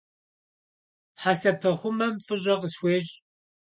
Хьэсэпэхъумэм фӏыщӏэ къысхуещӏ.